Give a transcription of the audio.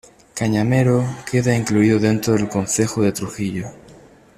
Cañamero queda incluido dentro del concejo de Trujillo.